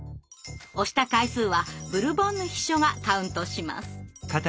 押した回数はブルボンヌ秘書がカウントします。